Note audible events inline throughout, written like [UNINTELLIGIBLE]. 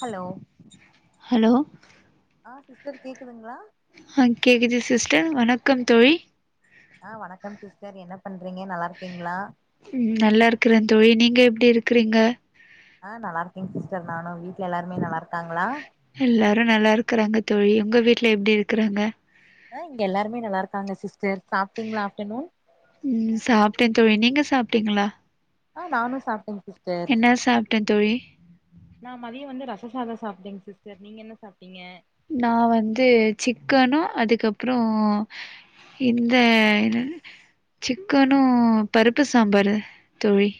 hello hello ஆ sister கேக்குதுங்ளா ஆ கேக்குது சிஸ்டர் வணக்கம் தோழி ஆ வணக்கம் சிஸ்டர் என்ன பண்றீங்க நல்லா இருக்கீங்ளா ம் நல்லா இருக்கிறேன் தோழி நீங்க எப்டி இருக்குறீங்க ஆ நல்லாருக்கேங் சிஸ்டர் நானு வீட்ல எல்லாருமே நல்லா இருக்காங்ளா எல்லாரோம் நல்லா இருக்கறாங்க தோழி உங்க வீட்ல எப்டி இருக்குறாங்க ஹ இங்க எல்லாருமே நல்லாயிருக்காங்க சிஸ்டர் சாப்டீங்ளா ஆப்டநூன் ம் சாப்ட்டேன் தோழி நீங்க சாப்ட்டீங்களா ஆ நானும் சாப்டேங் சிஸ் என்ன சாப்ட்டேன் தோழி நா மதியோம் வந்து ரசோசாதம் சாப்ட்டேங் சிஸ்டர் நீங்க என்ன சாப்ட்டீங்க நா வந்து சிக்கனோ அதுகப்றோம் இந்த என்னது சிக்கனோ பருப்பு சாம்பாரு தோழி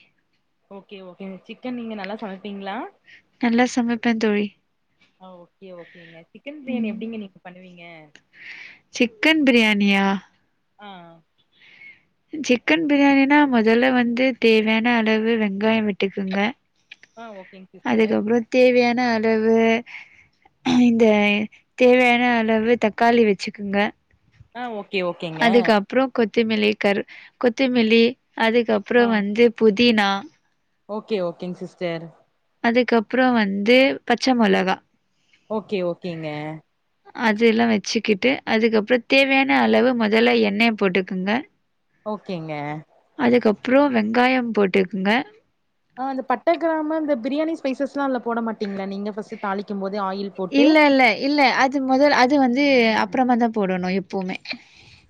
ஓக்கே ஓக்கேங்க சிக்கன் நீங்க நல்லா சமைப்பீங்ளா நல்லா சமைப்பேன் தோழி ஆ ஓக்கே ஓக்கேங்க சிக்கன் ப்ரியாணி ம் எப்டிங்க நீங்க பண்ணுவீங்க சிக்கன் ப்ரியாணியா ஆ சிக்கன் பிரியாணினா மொதல்ல வந்து தேவையான அளவு வெங்காயோம் வெட்டிக்குங்க அ ஓகேங் சிஸ்டர் தேவையான அளவு ம் இந்த தேவையான அளவு தக்காளி வெச்சுக்குங்க ஆ ஓகே ஓகேங்க அப்புறோம் கொத்தமெலி கரு கொத்தமெல்லி ஆ அதுக்கப்பறோம் வந்து புதினா ஓகே ஓகேங் சிஸ்டர் அதுக்கப்பறம் வந்து பச்ச மொளகா ஓகே ஓகேங்க அதெல்லா வெச்சுக்கிட்டு அதுக்கப்பறோம் தேவையான அளவு மொதல்ல எண்ணைய போட்டுக்கோங்க ஓகேங்க அதுக்கப்றோ வெங்காயோ போட்டுக்ங்க அ அந்த பட்ட க்ராமு அந்த பிரியாணி ஸ்பைசஸ்லா அதுல போட மாட்டீங்களா நீங்க ஃபஸ்ட்டு தாளிக்கும்போது ஆயில் போட்டு இல்ல இல்ல இல்ல அத் து மொதல் அது வந்து அப்புறமாதா போடுணு எப்போமே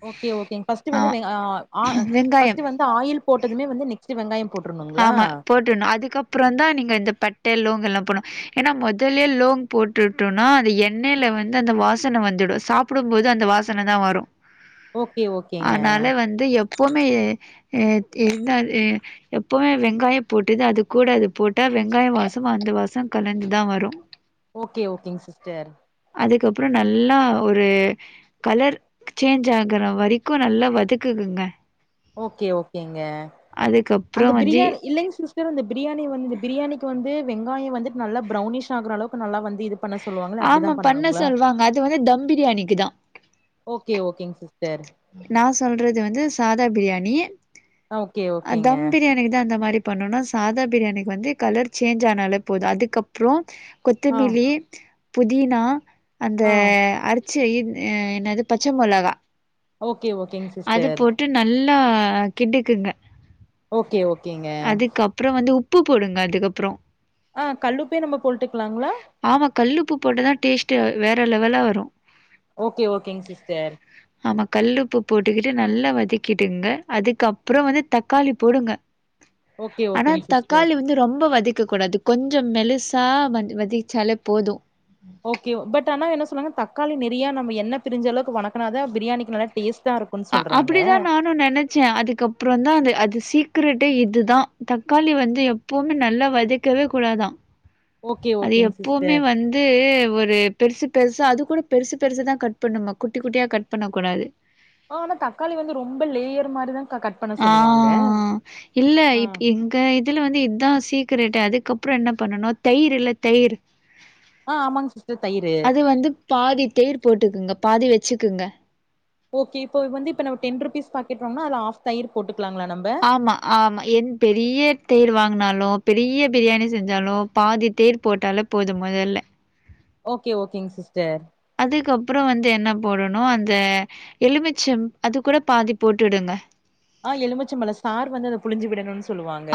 ஓகே ஓகேங் ஃபஸ்ட்டு வந்து வெங் அ அ வெங்காயம் ஃபஸ்ட்டு வந்து ஆயில் போட்டதுமே வந்து நெக் பஸ்ட்டு வெங்காயம் போட்ருனுங்களா ட்னு அதுக்கப்பறந்தா நீங்க இந்த பட்ட லோங்லா போனு ஏனா மொதல்லே லோங் போட்டுட்டோனா அது எண்ணெயில வந்து அந்த வாசன வந்துடு சாப்புடும்போது அந்த வாசனதா வரு ஓகே ஓகேங்க ஆனால வந்து எப்போமே எ எ எந்த எ எப்போமே வெங்காயம் போட்டுது அதுக்கூட அது போட்டா வெங்காயோ வாசம் அந்த வாசம் கலந்துதா வரு ஓகே ஓகேங் சிஸ்டர் அதுக்கப்றோ நல்லா ஒரு கலர் சேஞ்ச் ஆகுற வரைக்கு நல்லா வதக்குங்க ஓகே ஓகேங்க அதுக்கப் அந்த பிரியாணி இல்லைங் சிஸ் டரு இந்த பிரியாணி வந்து இந்த பிரியாணிக்கு வந்து வெங்காயோ வந்துட்டு நல்லா ப்ரௌனிஷாகுற அளவுக்கு நல்லா வந்து இது பண்ண சொல்லுவாங்க ஆமா பண்ண சொல்வாங்க அது வந்து தம் பிரியாணிக்கு தா ஓகே ஓகேங் சிஸ்டர் நா சொல்றது வந்து சாதா பிரியாணி ஓகே ஓகேங்க தம் பிரியாணிக்கு தா அந்த மாரி பண்ணனு சாதா பிரியாணிக்கி வந்து கலர் சேஞ்சானாலே போது அதுக்கப் புறோ ஆ கொத்தமெலி புதினா அந்த ஆ அறுத் செயின் என்னது பச்ச மொளகா ஓகே ஓகேங் சிஸ்டர் ட்டு நல்லா கிண்டிக்குங்க ஓகே ஓக் அதுக்கப்றோ வந்து உப்பு போடுங்க அதுக்கப்றோ அ கல்லுப்பே நம்ப போட்டுக்ளாங்ளா ஆமா கல்லுப்பு போட்டதா டேஸ்ட்டே வேற லெவலா வரு ஓகே ஓகேங் சிஸ்டர் ஆமா கல்லுப்பு போட்டுகிட்டு நல்லா வதக்கிடுங்க அதுக்கப்றோ வந்து தக்காளி போடுங்க ஓகே ஆனா ஓகேங் சிஸ்டர் தக்காளி வந்து ரொம்ப வதைக்க கூடாது கொஞ்ச மெலிசா வந்து வதச்சாலே போது ஓகே பட் ஆனா என்ன சொன்னாங்க தக்காளி நெறைய நம்ம எண்ண பிரிஞ்சளவுக்கு வணக்குனாதா பிரியாணிக்கி நல்லா டேஸ்ட்டாருக் அ அப்பிடிதா நானு நெனச் சே அதுக்கப்பறந்தா அந்த அது சீக்கரட்டே இதுதா தக்காளி வந்து எப்போமே நல்லா வதக் கவே கூடாதா ஓகே அது ஓகேங் எப்போமே சிஸ்டர் வந் து ஒரு பெருசா பெருசா அது கூட பெருசு பெருசுதா கட் பண்ணுமா குட்டி குட்டியா கட் பண்ணக்கூடாது ஆ ஆனா தக்காளி வந்து ரொம்ப லேயர் மாரி தா கட் பண்ண ஆ சொல்லுவாங்க இல்ல ஆ இப்ப இதுல வந்து இதுதா சீக்கரட் அதுக்கப்றோ என்ன பண்ணனு தயிரு இல்ல தயிரு ஆ ஆமாங் சிஸ்டர் தயிரு வந்து பாதி தெயிர் போட்டுக்குங்க பாதி வெச்சுக்குங்க ஓகே இப்ப இ வந்து இப்ப நம்ம டென் ருபீஸ் பாக்கெட் வாங்குனா அதுல ஆஃப் தயிர் போட்டுக்கலாங்ளா நம்ம ஆமா ஆமா ஏ பெரிய தெயிர் வாங்கினாலோ பெரிய பிரியாணி செஞ்சாலோ பாதி தெயிர் போட்டாலே போது போது மொதல்ல ஓகே ஓகேங் சிஸ்டர் அதுக்கப்பறோ வந்து என்ன போடணு அந்த எலுமிச்சம் அது கூட பாதி போட்டுவுடுங்க ஆ எலுமிச்ச பழோ சாரு வந்து புழுஞ்சு விடணுன்னு சொ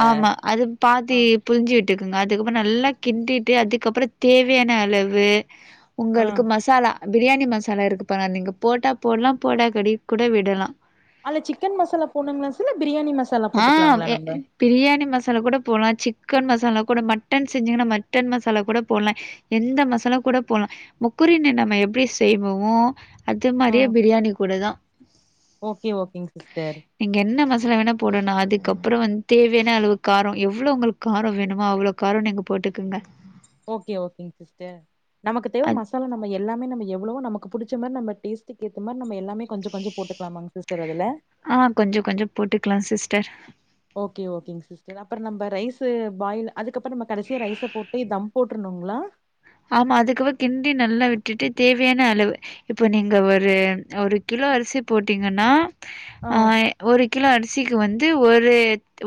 ஆமா அது பாதிப் புழுஞ்சு விட்டுக்கங்க அதுக்கப்றோ நல்லா கிண்டிட்டு அதுக்கப்பறோ தேவையான அளவு ஆ உங்களுக்கு மசாலா பிரியாணி மசாலா இருக்கு பாருங்க நீங்க போட்டா போட்லா போடாங்காட்டி கூட விடலா அதுல சிக்கன் மசாலா போட்ணுலாங்க சில பிரியாணி மசாலா ஆ போட்டுக்குலாங்களா எ நம்ப பிரியாணி மசாலா கூட போட்லா சிக்கன் மசாலா கூட மட்டன் செஞ்சிங்கன்னா மட்டன் மசாலா கூட போட்லா எந்த மசாலா கூட போட்லாம் முக்குறின்னு நம்ம எப்டி செய்வோமோ அது ஆ மாரியே பிரியாணி கூட தா ஓகே ஓகேங் சிஸ்டர் நீங்க என்ன மசாலா வேண்னா போடணு அதுக்கப்பறோ வந்து தேவையான அளவுக்கு காரோ எவ்ளோ உங்களுக்கு காரோ வேணுமோ அவ்ளோ காரோ நீங்க போட்டுக்கங்க ஓகே ஓகேங்க சிஸ்டர் நமக்கு தேவ அத் மசாலா நம்ம எல்லாமே நம்ம எவ்ளோ நமக்கு புடிச்ச மார் நம்ம டேஸ்ட்டுக்கு ஏத்த மார் நம்ம எல்லாமே கொஞ்ச கொஞ்சோ போட்டு க்லாமாங்க சிஸ்டர் அதுல ஆ கொஞ்ச கொஞ்சோ போட்டுக்லா சிஸ்டர் ஓகே ஓகேங்க சிஸ்டர் அப்றோ நம்ப ரைஸு பாயில் அதுக்கப்பறோ நம்ம கடைசியா ரைஸ போட்டு தம் போட்ருந்தோங்ளா ஆமா அதுக்கப்றோ கிண்டி நல்லா விட்டுட்டு தேவையான அளவு இப்ப நீங்க ஒரு ஒரு கிலோ அரிசி போட்டீங்கன்னா ஆ அ ஒரு கிலோ அரிசிக்கு வந்து ஒரு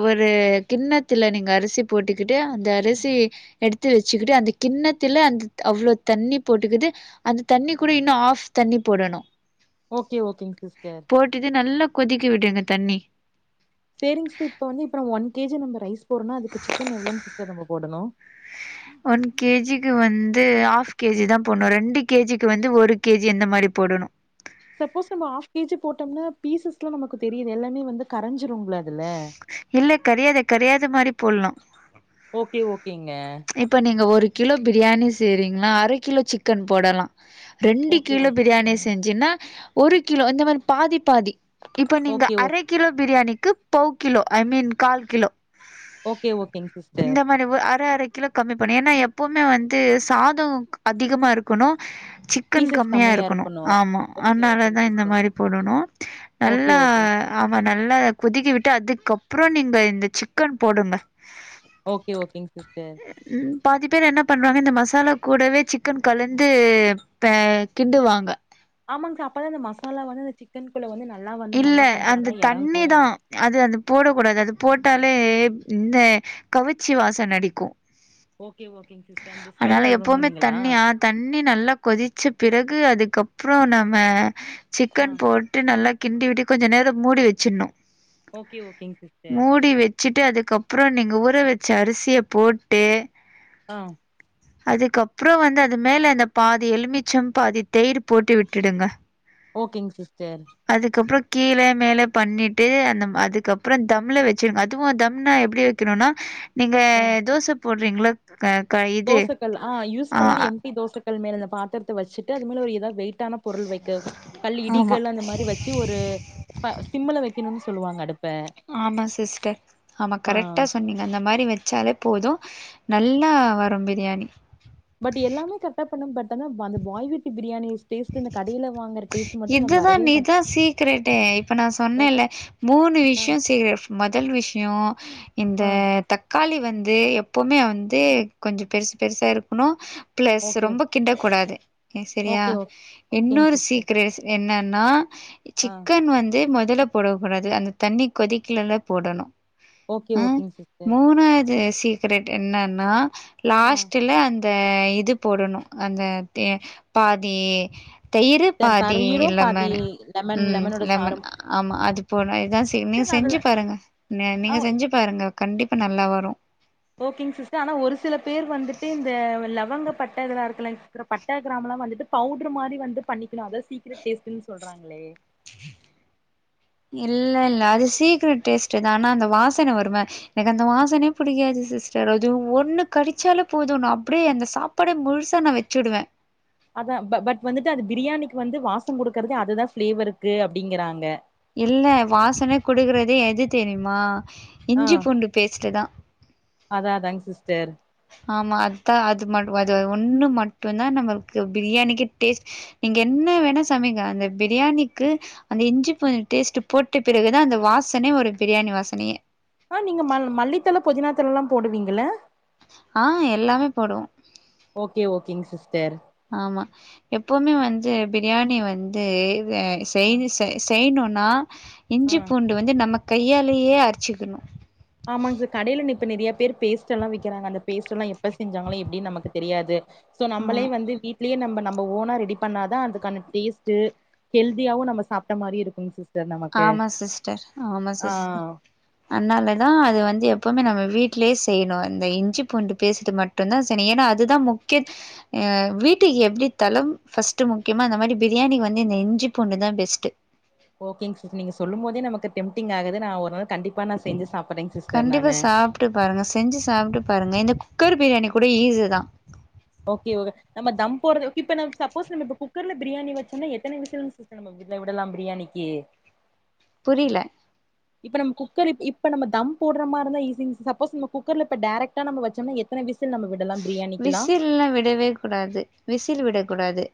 ஒரு கிண்ணத்துல நீங்க அரிசி போட்டுக்கிட்டு அந்த அரிசி எடுத்து வச்சுக்கிட்டு அந்த கிண்ணத் துல அந்த அவ்ளோ தண்ணி போட்டுக்குது அந்த தண்ணி கூட இன்னு ஆஃப் தண்ணி போடணு ஓகே ஓகேங்க சிஸ்டர் போட்டுட்டு நல்லா கொதிக்கி விடுங்க தண்ணி சேரிங்க சிஸ்டர் இப்ப வந்துப்புறம் தெரிஞ்சுட்டு இப்ப வந்து இப்ப நம்ம ஒன் கேஜி நம்ம ரைஸ் போடுறோன்னா னா அதுக்கு சிக்கன் எவ்ளோங்க சிஸ்டர் நம்ம போடணு ஒன் கேஜிக்கு வந்து ஹாஃப் கேஜி தா போட்ணு ரெண்டு கேஜிக்கு வந்து ஒரு கேஜி இந்த மாரி போடணு சப்போஸ் நம்ம ஆஃப் கேஜி போட்டோம்னா பீசஸ்லா நமக்கு தெரியுது எல்லாமே வந்து கரஞ்சுரும்ல அதுல இல்ல கரையாது கரையாத மாரி போட்லா ஓகே ஓகேங்க இப்ப நீங்க ஒரு கிலோ பிரியாணி செய்றீங்கன்னா அர கிலோ சிக்கன் போடலா ரெண்டு ஓகே ஓ கிலோ பிரியாணி செஞ்சின்னா ஒரு கிலோ இந்த மாரி பாதி பாதி இப்ப நீங்க ஓகே ஓ அரை கிலோ பிரியாணிக்கு போக் கிலோ ஐ மீன் கால் கிலோ ஓகே ஓகேங்க சிஸ்டர் அர அர கிலோ கம்மி பண்ணனு ஏன்னா எப்பவுமே வந்து சாதோ அதிகமா இருக்கணு சிக் க்கன் கம்மியா இருக்கணு ஆமா ஓகே அதுனால ஓகேங் தா இந்த சிஸ்டர் மாரி போடணு ஓகே நல்லா ஓகேங் ஆமா நல்லா கொதிக்கிவிட்டு அதுக்கப்றோ நீங்க இந்த சிக்கன் போடுங்க ஓகே ஓகேங்க சிஸ்டர் ம் ம் பாதி பேர் என்ன பண்றாங்க இந்த மசாலா கூடவே சிக்கன் கலந்து ப்ப கிண்டுவாங்க ஆமாங்க்கா அப்பதா இந்த மசாலா வந்து இந்த சிக்கன் குள்ள வந்து நல்லா வந்து இல்ல நல்லா கொஞ்சோ நல்லா அந்த தண்ணி எறங்கு தா அது அது போடக்கூடாது அது போட்டாலே இந்த கவுச்சி வாசன அடிக்கோ ஓகே ஓகேங் சிஸ்டர் அந்த ஸ்மெல் அதனால எப்பவுமே [UNINTELLIGIBLE] தண்ணியா தண்ணி நல்லா கொதிச்ச பிறகு அதுக்கப்றோ நம்ம ஆ சிக்கன் போட்டு நல்லா கிண்டி விட்டு கொஞ்ச நேரோ மூடி வெட்சின்னோ ஓகே ஓகேங் சிஸ்டர் மூடி வெ ச்சிட்டு அதுக்கப்ரோ நீங்க ஊற வெச்ச அரிசிய போட்டு அ அதுக்கப்றோ வந்து அது மேல அந்த பாதி எலுமிச்சம் பாதி தெயிர் போட்டு விட்டுடுங்க ஓகேங் சிஸ்டர் அதுக்கப்றோ கீலே மேல பண்ணிட்டு அந்த அதுக்கப்றோ தம்ல வச்சிருங்க அதுவு தம்னா எப்டி வெக் கனோன்னா நீங்க ஆ தோச போட்றீங்ள [UNINTELLIGIBLE] தோசக்கல் அ யூஸ் பண்ணது எம்டி தோசக்கல் மேல இந்த பாத்திரத்த வெச்சுட்டு அது மேல ஒரு ஏதா வெயிட்டான பொருள் வைக்க கல் ஆமா, இடிகல் அந்த மாரி வச்சு ஒரு பா சிம்முல்ல வைக்குனுன்னு சொல்லுவாங்க அடுப்ப ஆமா சிஸ்டர் ஆமா ஆ கரெக்டா சொன்னீங்க அந்த மாரி வெச்சாலே போது நல்லா வரு பிரியாணி பட் எல்லாமே கரெக்டா பண்ண பட் ஆனா அந்த பாய் வீட்டு பிரியாணி ஸ்டேஸ்ட் அந்த கடையில வாங்க இதுதா நீதா சீக்கரட்டே இப்ப நா ஓ சொன்னேல்ல மூணு ஆ விஷ்யோ செய்ற மொதல் விஷ்யோ இந்த ஆ தக் க்காளி வந்து எப்போவுமே வந்து கொஞ்சோ பெருசு பெருசா இருக்கனோ ப்ளஸ் ஓகே ரொம்ப கிட்டக்கூடாது ஏ சரியா ஓகே ஓ ஓகேங்க இன்னொரு சிஸ்டர் சீக்ரஸ் என்னன்னா ஆ சிக்கன் வந்து மொதல போடக்கூடாது அந்த தண்ணி கொதிக்கலல்ல போடனு ஓகே ம் ஓகேங்க சிஸ்டர் மூணாவது சீக்ரெட் என்னன்னா ஆ லாஸ்ட்ல அந் த இது போடனு அந்த தே பாதி தயிரு தன் பாதி தண்ணீரும் பாதி லெமனு லெமன் ம் லெமனோட லெமன் சாறும் ஆமா அது போட்னு இதா செய்ணு நீங்க சிஸ்டர் அதுல செஞ்சு பாருங்க அ ஆ நீங்க செஞ்சு பாருங்க கண்டிப்பா நல்லா வரு ஓகேங் சிஸ்டர் ஆனா ஒரு சில பேர் வந்துட்டு இந்த லவங்க பட்ட இதெலா இருக்குல்ல அப்றோ பட்ட கிராம்லா வந்துட்டு பவுட்ரு மாரி வந்து பண்ணிக்கனு அது தா சீக்ரெட் டேஸ்டன்னு சொல்றாங்ளே இல்ல இல்ல அது சீக்கிரெட் டேஸ்டு தா ஆனா அந்த வாசன வரும எனக்கு அந்த வாசனையே புடிக்காது சிஸ்டர் அது ஒண்ணு கடிச்சாலே போதுன் நா அப்டியே அந்த சாப் பாடே முழுசா நா வச்சிடுவெ அதா ப பட் வந்துட்டு அது பிரியாணிக்கு வந்து வாசம் குடுக்குறதே அதுதா ஃபிளேவர் இருக்கு அப்டிங்குறாங்க இல்ல வாசன குடுக்குறதே எது தெரியுமா ஆ இஞ்சி பூண்டு பேஸ்ட்டு தா அதா அதாங் சிஸ்டர் ஆமா அதா அது மட் அது ஒன்னு மட்டுந்தா நம்ளுக்கு பிரியாணிக்கே டேஸ்ட் நீங்க என்ன வேணா சமைங்க அந்த பிரியாணிக்கு அந்த இஞ்சி பூண்டு டேஸ்ட்டு போட்ட பிறகுதா அந்த வாசமே வரு பிரியாணி வாசனையே அ நீங்க ம மல்லித்தழ புதினாத்தழல்லா போடுவீங்கள ஆ எல்லாமே போடுவோ ஓகே ஓகேங் சிஸ்டர் ஆமா எப்பவுமே வந்து பிரியாணி வந் ந்து ஆ செய்னு செய் செய்னூன்னா ஆ இஞ்சி பூண் டு வந்து நம்ம கையாலயே அரிச்சிக்குனு ஆமாங் சார் கடையில இப்ப நெறைய பேர் பேஸ்ட் எல்லா விக்கிறாங்க அந்த பேஸ்ட்டல்லா எப்ப செஞ்சாங்ளோ எப்டின்னு நமக்கு தெரியாது சோ ஆமா நம்மளே வந்து வீ வீட்லே நம்ம நம்ப ஓனா ரெடி பண்ணா தா அதுக்கான டேஸ்ட்டு ஹெல்தியாவு நம்ம சாப்ட மாரி இருக்குங் சிஸ் ஆமா சிஸ்டர் ஆமா சிஸ்டர் அன்னால தா அது வந்து எப்போவுமே நம்ம வீட்லயே செய்யணு அந்த இந்த இஞ்சி பூண்டு பேஸ்ட்டு மட் மட்டுந்தா செய்னு ஏன்னா அதுதா முக்ய அ வீட்டுக்கு எப்டி தளம் ஃபஸ்ட்டு முக்கியமோ அந்த மாரி பிரியாணிக்கு வந்து இந்த இஞ்சி பூண்டு தா பெஸ்ட்டு ஓகேங்க சிஸ் நீங்க சொல்லும் போதே நமக்கு டெம்டிங் ஆகுது நா ஒரு நாள் கண்டிப்பா நா செஞ்சு சாப்புறே சி கண்டிப்பா சாப்ட்டு பாருங்க செஞ்சு சாப்ட்டு பாருங்க இந்த குக்கர் பிரியாணி கூட ஈஸி தா ஓகே நம்ம தம் போற இப்ப நம் சப்போஸ் நம்ம இப்ப குக்கர்ல பிரியாணி வச்சோனா எத்தன விசில்ங்க சிஸ் நம்ம வீட்ல விடலா பிரியாணிக்கி புரியில இப்ப நம்ம குக்கர் இப்ப நம்ம தம் போட்ற மாரி இருந்தா ஈஸிங் சிஸ் சப்போஸ் நம்ம குக்கர்லப்ப டேரக்டா நம்ம வச்சோம்னா எத்தன விசில் நம்ம விடல்லாம் பிரியாணிக்கிலா விசில்லா விடவே கூடாது விசில் விடக்கூடாது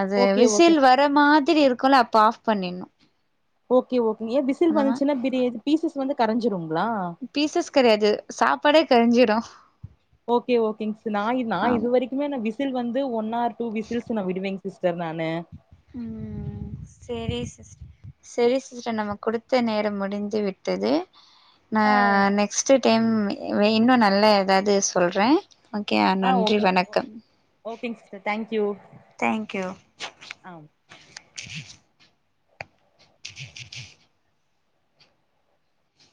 அது ஓகே ஓகே விசில் வர் ற மாதிரி இருக்கூல அப்ப ஆஃப் பண்ணிண்ணு ஓகே ஓகேங்க ஏ விசில் வந்துச்சுன்னா பிரி பீசஸ் வந்து கரஞ்சிருங்ளா பீசஸ் கரையாது சாப்பாடே கரஞ்சிரு ஓகே ஓகேங்க சிஸ் நா நா இது வரைக் குமே நா விசில் வந்து ஒன் ஆர் டூ விசில்ஸ் நா விடுவேங் சிஸ்டர் நானு ம் சேரி சிஸ் சேரி சிஸ்டர் நம்ம குடுத்த நேரம் முடிந்து விட்டது நா ஆ நெக்ஸ்ட் டைம் இன்னு நல்ல ஏதாவ்து சொல்றே ஓகே ஆ நன்றி ஓகே வணக்கம் ஓகேங் sister thank you thank you ஆம் [INAUDIBLE]